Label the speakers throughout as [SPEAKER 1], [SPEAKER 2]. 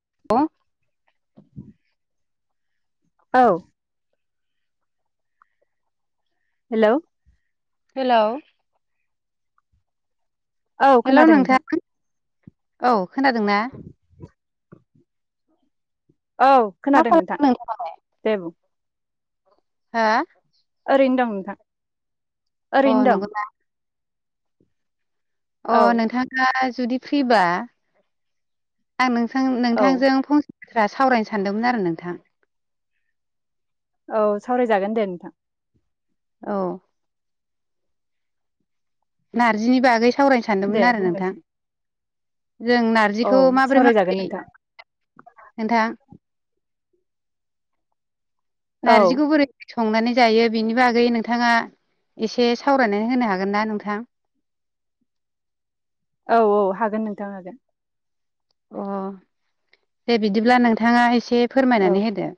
[SPEAKER 1] [unintelligible]
[SPEAKER 2] औ hello
[SPEAKER 1] hello
[SPEAKER 2] औ
[SPEAKER 1] hello
[SPEAKER 2] खोनादों
[SPEAKER 1] नोंथां औ खोनादोंना?
[SPEAKER 2] औ
[SPEAKER 1] मा
[SPEAKER 2] खोनादों नोंथां
[SPEAKER 1] खालामदों
[SPEAKER 2] दे बुं।
[SPEAKER 1] हा
[SPEAKER 2] ओरैनो दं नोंथां। ओरैनो
[SPEAKER 1] अ
[SPEAKER 2] दं
[SPEAKER 1] नंगौ ना? अ
[SPEAKER 2] औ
[SPEAKER 1] नोंथाङा जुदि फ्रिबा आं नोंथां
[SPEAKER 2] औ
[SPEAKER 1] नोंथांजों फंसे बथ्रा सावरायनो सानदोंमोन आरो नोंथां।
[SPEAKER 2] औ सावरायजागोन दे नोंथां।
[SPEAKER 1] औ नार्जिनि बागै सावरायनो
[SPEAKER 2] दे
[SPEAKER 1] सानदोंमोन आरो नोंथां
[SPEAKER 2] बुंनोसै
[SPEAKER 1] जों नार
[SPEAKER 2] औ
[SPEAKER 1] जिखौ माबोरै
[SPEAKER 2] सावरायजागोन
[SPEAKER 1] माबोरै
[SPEAKER 2] नोंथां
[SPEAKER 1] नोंथां
[SPEAKER 2] औ
[SPEAKER 1] नारजिखौ बोरै संनानै जायो बिनि बागै नोंथाङा एसे सावरायनानै होनो हागोन ना नोंथां।
[SPEAKER 2] औ औ हागोन नोंथां हागोन।
[SPEAKER 1] अ दे बिदिब्ला नोंथांङा एसे
[SPEAKER 2] औ
[SPEAKER 1] फोरमायनानै होदो।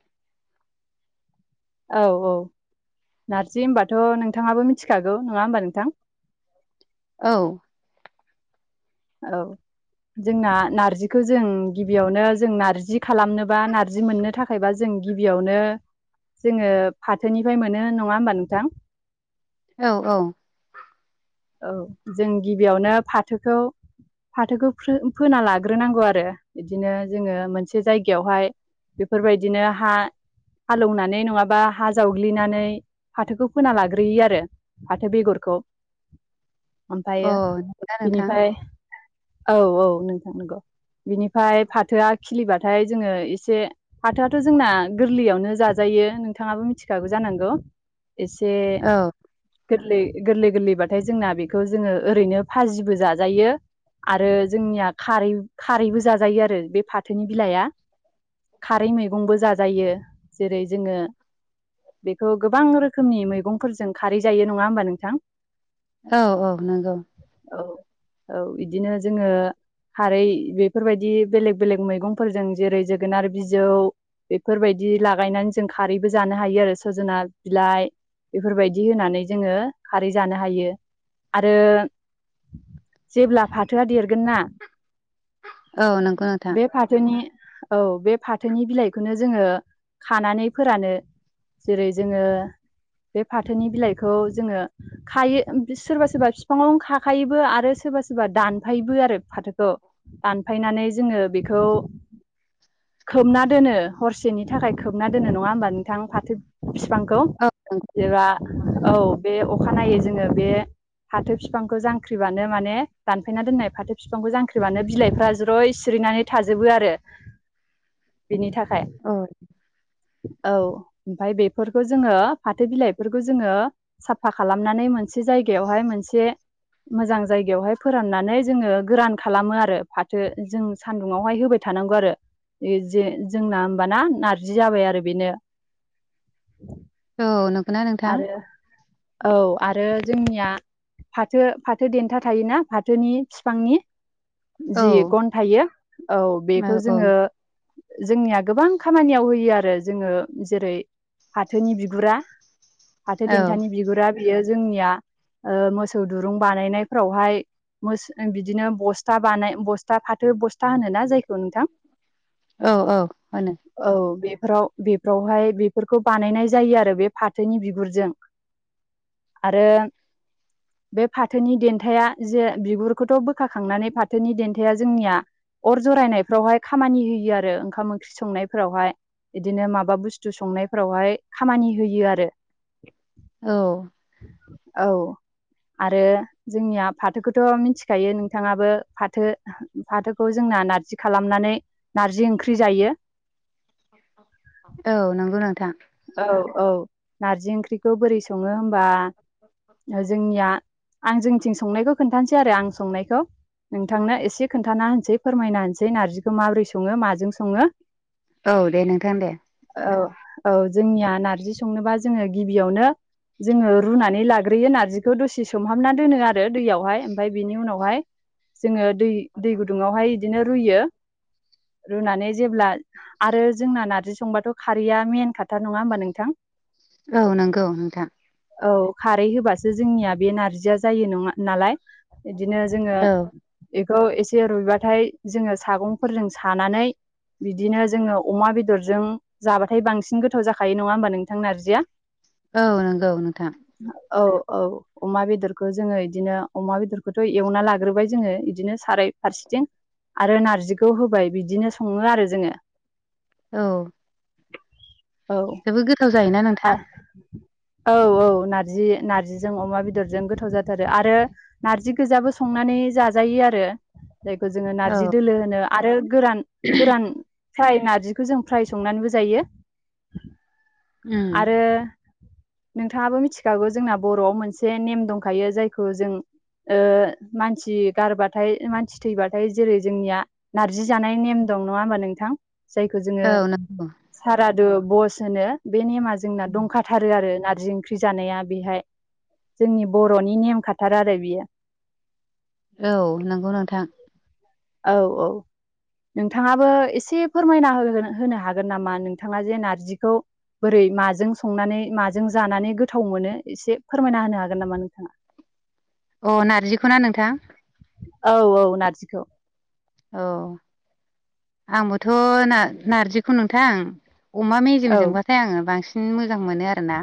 [SPEAKER 2] औ औ नारजि होनबाथ' नोंथाङाबो मिथिखागौ नङा होमबा नोंथां।
[SPEAKER 1] औ
[SPEAKER 2] औ जोंना नारजिखौ जों गिबियावनो जों नारजि खालामनोबा नार्जि मोननो था खायबा जों गिबियावनो जोंङो फाथोनिफ्राय मोनो नंङा होमबा नोंथां।
[SPEAKER 1] औ औ
[SPEAKER 2] औ जों गिबियावनो फाथोखौ फाथोखौ फ्रो फोना लाग्रोनांगौ आरो इदिनो जोङो मोनसे जायगायावहाय बेफोरबायदिनो हा हालौनानै नंङाबा हा जावग्लिनानै फाथोखौ फोना लाग्रोयो आरो। फाथो बेगरखौ।
[SPEAKER 1] अ
[SPEAKER 2] ओमफायो
[SPEAKER 1] नंगौना नोंथां
[SPEAKER 2] बिनिफाय औ औ नोंथां नोंगौ। बिनिफाय फाथोआ खिलिबाथाय जोंङो एसे फाथोआथ' जोंना गोरलैयावनो जाजायो नोंथाङाबो मिथिखागौ जानांगौ। एसे
[SPEAKER 1] औ
[SPEAKER 2] गोरलै गोरलै गोरलै बा थाय जोंना बेखौ जोङो ओरैनो फाजिबो जाजायो। आरो जोंनिया खारै खारैबो जाजायो आरो बे फाथोनि बिलाइआ। खारै मैगंबो जाजायो। जेरै जोङो बेखौ गोबां रोखोमनि मैगंफोरजों खारै जायो नङा होमबा नोंथां।
[SPEAKER 1] औ औ नंगौ।
[SPEAKER 2] औ औ इदिनो जोङो खारै बेफोरबायदि बेलेग बेलेग मैगंफोरजों जेरै जोगोनार बिजौ बेफोरबायदि लागायनानै जों खारैबो जानो हायो आरो सजोना बिलाइ बेफोरबायदि होनानै जोङो खारै जानो हायो आरो जेब्ला फाथोआ देरगोन ना
[SPEAKER 1] औ नंगौ नोंथां
[SPEAKER 2] बे फाथोनि औ बे फाथोनि बिलाइखौनो जोंङो खानानै फोरानो। जेरै जोङो बे फाथोनि बिलाइखौ जोङो खायो सोरबा सोरबा फिफांआवनो खाखायोबो आरो सोरबा सोरबा दानफायोबो आरो फाथो खौ दानफायनानै जोंङो बेखौ खोबना दोनो हरसेनि थाखाय खोबना दोनो नंङा होमबा नोंथां फाथो बिफांखौ
[SPEAKER 1] औ नंगौ
[SPEAKER 2] जेबा औ बे अखानायै जोङो बे फाथो फिफांखौ जांख्रिबानो माने दानफायना दोननाय फाथो फिफांखौ जांख्रिबानो बिलाइफ्रा ज्रय सिरिनानै थाजोबो आरो बिनि थाखाय।
[SPEAKER 1] औ
[SPEAKER 2] औ ओमफाय बेफोरखौ जोंङो फाथो बिलाइफोरखौ जोंङो फा खालामनानै मोनसे जायगायावहाय मोनसे मोजां जायगायावहाय फोराननानै जोंङो गोरान खालामो आरो फाथो जों सान्दुंङावहाय होबाय थानांगौ आरो। ए जे जोंना होमबाना नारजि जाबाय आरो बेनो।
[SPEAKER 1] औ नंगौना नोंथां?
[SPEAKER 2] आरो औ आरो जोंनिया फाथो फाथो देन्था थायोना फाथोनि बिफांनि
[SPEAKER 1] औ
[SPEAKER 2] जि गन थायो औ बेखौ जोंङो जोंनिया गोबां खामानियाव होयो आरो जोंङो जेरै फाथोनि बिगुरा फाथो
[SPEAKER 1] औ
[SPEAKER 2] देन्थानि बिगुरा बियो जोंनिया ओ मोसौ दुरुं बानायनायफोरावहाय मोस बिदिनो बस्था बानाय बस्था फाथो बस्था होनो ना जायखौ नोंथां।
[SPEAKER 1] औ औ होनो।
[SPEAKER 2] औ बेफोराव बेफोरावहाय बेफोरखौ बानायनाय जायो आरो बे फाथ थोनि बिगुरजों आरो
[SPEAKER 1] [unintelligible]
[SPEAKER 2] बे फाथोनि देन्थाया जे बिगुरखौथ' बोखाखांनानै फाथोनि देन्थाया जोंनिया अर जरायनायफ्रावहाय खामानि होयो आरो ओंखाम ओंख्रि संनायफोरावहाय। बिदिनो माबा बुस्थु संनायफोरावहाय खामानि होयो आरो [inaudible]
[SPEAKER 1] औ
[SPEAKER 2] औ। आरो जोंनिया फाथोखौथ' मिथिखायो नोंथांङाबो फाथो फाथोखौ जोंना नारजि खालामनानै नारजि ओंख्रि जायो।
[SPEAKER 1] औ नंगौ नोंथां।
[SPEAKER 2] औ औ नारजि ओंख्रिखौ बोरै सङो होनबा जोंनिया आं जोंनिथिं संनायखौ खोन्थानोसै आरो आं संनायखौ। नोंथांनो एसे खोन्थाना होनोसै फोरमायना होनोसै नार्जिखौ माबोरै सङो माजों सङो।
[SPEAKER 1] औ दे नोंथां दे।
[SPEAKER 2] औ औ जोंनिया नारजि संनोबा जोंङो गिबियावनो जोङो रुनानै लाग्रोयो नारजिखौ दसे सोमहाबना दोनो आरो दैयावहाय ओमफ्राय बिनि उनावहाय जोङो दै दै गुदुङावहाय बिदिनो रुयो रुनानै जेब्ला आरो जोंना नार्जि संबाथ' खारैया मेन खाथार। नंङा होमबा नोंथां?
[SPEAKER 1] औ नंगौ नोंथां।
[SPEAKER 2] औ खारै होबासो जोंनिया बे नारजिया जायो नङा नालाय। इदिनो जोङो
[SPEAKER 1] औ
[SPEAKER 2] एखौ एसे रुइबाथाय जोंङो सागंफोरजों सानानै बिदिनो जोङो अमा बेदरजों जाबाथाय बांसिन गोथाव जाखायो नङा होमबा नोंथां नारजि जिया
[SPEAKER 1] औ नंगौ नोंथां।
[SPEAKER 2] औ औ अमा बेदरखौ जोङो इदिनो अमा बेदरखौथ' एवना लाग्रोबाय जोङो बिदिनो साराय फारसेथिं। आरो नारजिखौ होबाय बिदिनो सङो आरो जोङो।
[SPEAKER 1] औ।
[SPEAKER 2] औ
[SPEAKER 1] जोबो गोथाव जायोना नोंथां।
[SPEAKER 2] औ औ नारजि नारजिजों अमा बेदरजों गोथाव जाथारो आरो नार्जि गोजाबो संनानै जाजायो आरो जायखौ जोंङो
[SPEAKER 1] औ
[SPEAKER 2] नारजि दोलो होनो आरो गोरान गोरान फ्राय नार्जिखौ जों फ्राय संनानैबो जायो।
[SPEAKER 1] उम
[SPEAKER 2] आरो नोंथाङाबो मिथिखागौ जोंना बर'आव मोनसे नेम दंखायो जायखौ जों ओ मानसि गारबाथाय मानसि थैबाथाय जेरै जोंनिया नारजि जानाय नेम दं नङा होमबा नोंथां? जायखौ जोङो
[SPEAKER 1] औ नंगौ
[SPEAKER 2] सारादु बस होनो। बे नेमा जोंना दंखाथारो आरो नारजि ख्रि जानाया बेहाय जोंनि बर'नि नेम खाथार आरो बियो।
[SPEAKER 1] औ नंगौ नोंथां।
[SPEAKER 2] औ औ। नोंथांङाबो एसे फोरमायना होनो हागोन नामा नोंथांङा जे नारजिखौ बोरै माजों संनानै माजों जानानै गोथाव मोनो एसे फोरमायना होनो हागोन नामा नोंथांङा
[SPEAKER 1] अ' नारजिखौ ना नोंथां
[SPEAKER 2] औ औ नारजिखौ।
[SPEAKER 1] औ आंबोथ' नार-नारजिखौ नोंथां अमा
[SPEAKER 2] औ
[SPEAKER 1] मेजेमजोंबाथाय आंङो बांसिन मोजां मोनो आरो ना।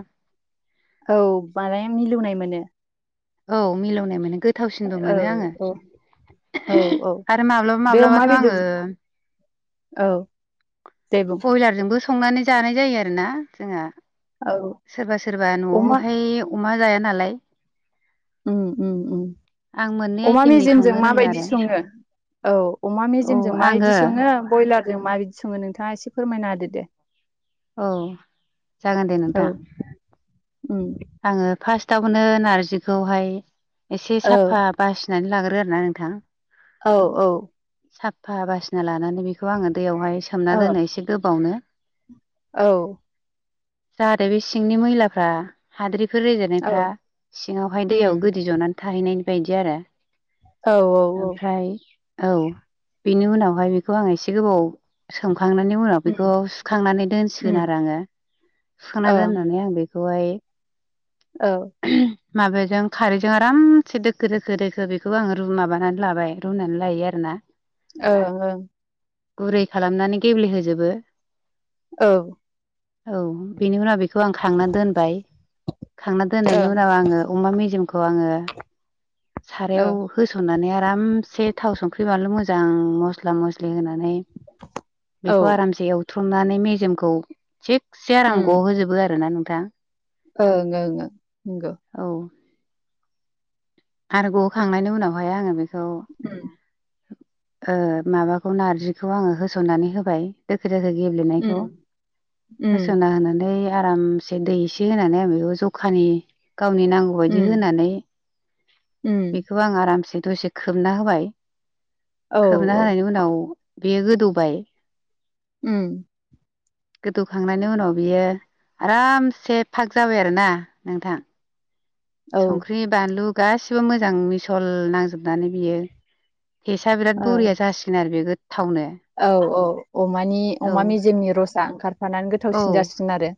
[SPEAKER 2] औ माने मिलौनाय मोनो।
[SPEAKER 1] औ मिलौनाय मोनो गो थावसिनबो
[SPEAKER 2] औ
[SPEAKER 1] मोनो आङो
[SPEAKER 2] औ औ औ
[SPEAKER 1] आरो माब्लाबा
[SPEAKER 2] बे अमा
[SPEAKER 1] माब्लाबाथ'
[SPEAKER 2] बेदर
[SPEAKER 1] आङो
[SPEAKER 2] औ जेबो
[SPEAKER 1] बयलारजोंबो संनानै जानाय जायो आरोना जोंहा
[SPEAKER 2] औ
[SPEAKER 1] सोरबा सोरबा
[SPEAKER 2] अमा
[SPEAKER 1] न'आवहाय अमा जाया नालाय।
[SPEAKER 2] उम उम उम
[SPEAKER 1] आं मोननै
[SPEAKER 2] अमा
[SPEAKER 1] आइटेमनि संनो
[SPEAKER 2] मेजेमजों
[SPEAKER 1] रोङो आरो
[SPEAKER 2] माबायदि संङो? औ अमा
[SPEAKER 1] औ
[SPEAKER 2] मेजेमजों माबायदि
[SPEAKER 1] आङो
[SPEAKER 2] संङो ब्रयलारजों माबायदि संङो नोंथांङा एसे फोरमायना होदो दे।
[SPEAKER 1] औ जागोन दे
[SPEAKER 2] औ
[SPEAKER 1] नोंथां।
[SPEAKER 2] उम
[SPEAKER 1] आङो फार्स्टआवनो नारजिखौहाय एसे
[SPEAKER 2] औ
[SPEAKER 1] साफा बासिनानै लाग्रो आरो ना नोंथां।
[SPEAKER 2] औ औ
[SPEAKER 1] साफा बासिना लानानै बेखौ आङो दैयावहाय सोमना
[SPEAKER 2] औ
[SPEAKER 1] दोनो एसे गोबावनो।
[SPEAKER 2] औ।
[SPEAKER 1] जाहाथे बे सिंनि मैलाफ्रा हाद्रिफोर रेजेरनायफ्रा
[SPEAKER 2] औ
[SPEAKER 1] सिंङावहाय दैयाव
[SPEAKER 2] उम
[SPEAKER 1] गोदि ज'नानै थाहैनाय बायदि आरो।
[SPEAKER 2] औ औ औ
[SPEAKER 1] ओमफ्राय औ बेनि उनावहाय बेखौ आं एसे गोबाव सोमखांनायनि उनाव
[SPEAKER 2] उम
[SPEAKER 1] बेखौ सुखांनानै दोनसिगोन
[SPEAKER 2] उम
[SPEAKER 1] आरो आंङो सुखांनानै
[SPEAKER 2] ओं
[SPEAKER 1] दोननानै आं बे खौहाय
[SPEAKER 2] औ
[SPEAKER 1] माबाजों खारैजों आरामसे दोखो दोखो दोखो बेखौबो आंङो रु माबानानै लाबाय। रुनानै लायो आरो ना।
[SPEAKER 2] ओं ओं
[SPEAKER 1] गुरै खालामनानै गेब्लेहोजोबो।
[SPEAKER 2] औ
[SPEAKER 1] औ बेनि उनाव बेखौ आं खांनानै दोनबाय। खांना दोननायनि उनाव आङो अमा मेजेमखौ आङो
[SPEAKER 2] औ
[SPEAKER 1] सारायाव होसननानै आरामसे थाव संख्रि बानलु मोजां मस्ला मस्लि होनानै [inaudible]
[SPEAKER 2] औ
[SPEAKER 1] बेखौ आरामसे एवथ्रमनानै मेजेमखौ थिखसे आराम गहोजोबो आरो ना नोंथां।
[SPEAKER 2] ओंं ओं ओं नंगौ
[SPEAKER 1] औ आरो गहोखांनायनि उनावहाय आंङो बे खौ
[SPEAKER 2] उम
[SPEAKER 1] ओ माबाखौ नारजिखौ आंङो होसननानै होबाय। दोखो दोखो गेब्लेनायखौ
[SPEAKER 2] उम उम
[SPEAKER 1] होसोनना होनानै आरामसे दै एसे होनानै जखानि गावनि नांगौ बायदि
[SPEAKER 2] उम
[SPEAKER 1] होनानै
[SPEAKER 2] उम
[SPEAKER 1] खौ आं आरामसे दसे खोबना होबाय
[SPEAKER 2] औ
[SPEAKER 1] खोबना
[SPEAKER 2] औ
[SPEAKER 1] होनायनि उनाव बेयो गोदौबाय।
[SPEAKER 2] उम
[SPEAKER 1] गोदौखांनायनि उनाव बियो आरामसे फाग जाबाय आरोना नोंथां।
[SPEAKER 2] औ ओ
[SPEAKER 1] संख्रि बानलु गासिबो मोजां मिसल नांजोबनानै बियो टेसआ बिराद बरिया जासिनो आरो बे गोथावनो।
[SPEAKER 2] औ औ अमानि
[SPEAKER 1] औ
[SPEAKER 2] अमा मेजेमनि रसआ ओंखारफानानै
[SPEAKER 1] औ
[SPEAKER 2] गोथावसिन जासिनो आरो।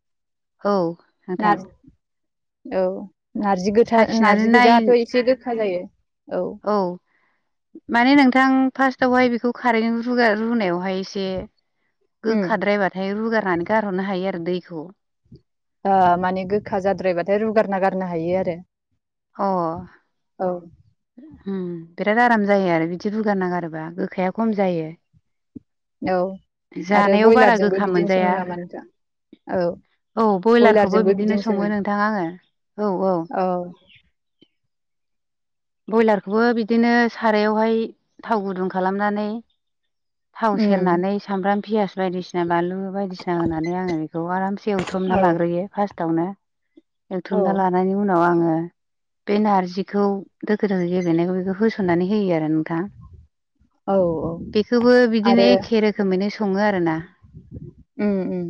[SPEAKER 1] औ
[SPEAKER 2] नार
[SPEAKER 1] नोंथां।
[SPEAKER 2] औ नारजि गोथा
[SPEAKER 1] साखिनानै
[SPEAKER 2] नार्जि
[SPEAKER 1] नाय
[SPEAKER 2] गोजाथ' एसे गोखा जायो औ।
[SPEAKER 1] माने नोंथां फार्स्टावहाय बेखौ खारैजों रुगार रुनायावहाय एसे एसे
[SPEAKER 2] उम
[SPEAKER 1] गोखाद्रायबाथाय रुगारनानै गारहरनो हायो आरो दैखौ।
[SPEAKER 2] ओ माने गोखा जाद्रायबाथाय रुगारना गारनो हायो आरो।
[SPEAKER 1] अ।
[SPEAKER 2] औ।
[SPEAKER 1] ओम बिराद आराम जायो आरो बिदि रुगारना गारोबा गोखाया खम जायो।
[SPEAKER 2] औ आरो
[SPEAKER 1] जानायाव बारा
[SPEAKER 2] बयलारजोंबो
[SPEAKER 1] गोखा
[SPEAKER 2] बिदिनो
[SPEAKER 1] मोनजाया।
[SPEAKER 2] सङो नामा नोंथां औ
[SPEAKER 1] औ बयलारखौबो बिदिनो सङो नोंथां आङो औ औ। ब्रयलारखौबो बिदिनो सारायावहाय थाव गुदुं खालामनानै थाव
[SPEAKER 2] उम
[SPEAKER 1] सेरनानै सामब्राम पियास बायदिसिना बानलु बायदिसिना होनानै आङो बेखौ आरामसे एवथुमना
[SPEAKER 2] औ
[SPEAKER 1] लाग्रोयो फास्त तावनो
[SPEAKER 2] औ
[SPEAKER 1] एवथुमना लानायनि उनाव आङो बे नारजिखौ दोखो दोखो गेलेनायखौ बेखौ होसननानै होयो आरो नोंथां।
[SPEAKER 2] औ
[SPEAKER 1] बेखौबो बिदिनो
[SPEAKER 2] आरो
[SPEAKER 1] एखे रोखोमैनो सङो आरोना।
[SPEAKER 2] उम उम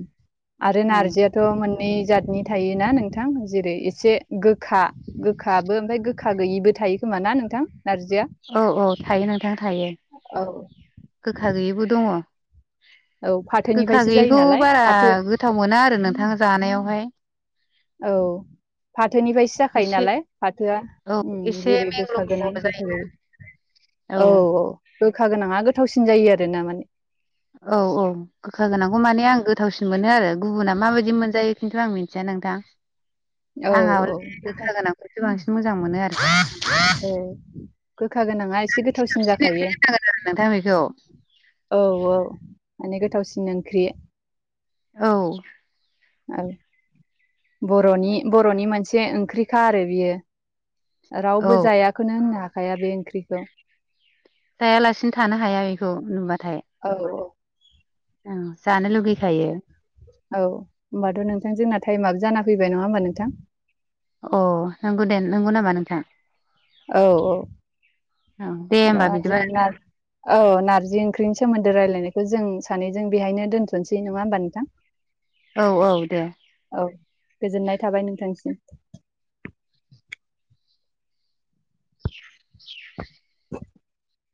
[SPEAKER 2] आरो
[SPEAKER 1] औ
[SPEAKER 2] नारजिया थ' मोननै जातनि थायोना नोंथां जेरै एसे गोखा गोखाबो ओमफ्राय गो गोखा गैयिबो थायो खोमा ना नोंथां नारजिया?
[SPEAKER 1] औ औ थायो नोंथां थायो
[SPEAKER 2] औ
[SPEAKER 1] गोखा गैयिबो दङ।
[SPEAKER 2] औ
[SPEAKER 1] गोखा
[SPEAKER 2] फाथोनिफ्रायसो जायो
[SPEAKER 1] गैयिखौ
[SPEAKER 2] नालाय
[SPEAKER 1] बारा
[SPEAKER 2] फाथो
[SPEAKER 1] गोथाव मोना आरो नोंथां जानायावहाय।
[SPEAKER 2] औ। फाथोनिफ्रायसो जाखायो
[SPEAKER 1] एसे
[SPEAKER 2] नालाय फाथोआ
[SPEAKER 1] औ
[SPEAKER 2] उम
[SPEAKER 1] एसे
[SPEAKER 2] जेरै गोखा गोनां
[SPEAKER 1] मेंग्लंग्ल'
[SPEAKER 2] गोखा जायो। औ औ गोखा गोनाङा गोथावसिन जायो आरोना माने
[SPEAKER 1] औ औ गोखा गोनांखौ माने आं गोथावसिन मोनो आरो। गुबुना माबायदि मोनजायो खिन्थु आं मिन्थिया नोंथां।
[SPEAKER 2] औ
[SPEAKER 1] आंहा
[SPEAKER 2] औ।
[SPEAKER 1] हले गोखा गोनांखौसो बांसिन मोजां मोनो आरो बांसिन
[SPEAKER 2] गोखा गोनाङा एसे गोथावसिन जाखायो
[SPEAKER 1] [unintelligible] नोंथां बेखौ।
[SPEAKER 2] औ औ माने गोथावसिन ओंख्रि
[SPEAKER 1] औ।
[SPEAKER 2] औ बर'नि बर'नि मोनसे ओंख्रिखा आरो बियो।
[SPEAKER 1] औ
[SPEAKER 2] रावबो जायाखौनो होननो हाखाया बे ओंख्रिखौ।
[SPEAKER 1] जायालासिनो थानो हाया बेखौ नुबाथाय।
[SPEAKER 2] औ औ।
[SPEAKER 1] ओं जानो लुगैखायो।
[SPEAKER 2] औ होमबाथ' नोंथां जोंना टाइमआबो जाना फैबाय नङा होमबा नोंथां?
[SPEAKER 1] अ नंगौ दे नंगौ नामा नोंथां?
[SPEAKER 2] औ औ
[SPEAKER 1] औ दे
[SPEAKER 2] बा
[SPEAKER 1] होमबा बिदिबा
[SPEAKER 2] जोंना औ नारजि ओंख्रिनि सोमोन्दो रायलायनायखौ जों सानैजों बेहायनो दोनथ'नोसै नङा होमबा नोंथां?
[SPEAKER 1] औ औ दे।
[SPEAKER 2] औ गोजोननाय थाबाय नोंथांसिम। [inaudible]